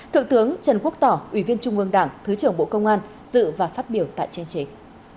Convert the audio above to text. thượng tướng trần quốc tỏ ủy viên trung ương đảng thứ trưởng bộ công an dự và phát biểu tại chương trình